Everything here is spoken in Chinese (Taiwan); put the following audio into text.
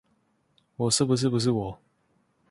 我是不是不是我？